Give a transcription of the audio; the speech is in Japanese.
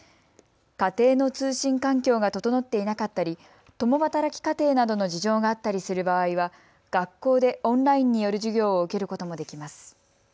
家庭の通信環境が整っていなかったり、共働き家庭などの事情があったりする場合は学校でオンラインによる授業を受けることもできます。